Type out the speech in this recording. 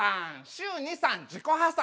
週２３自己破産」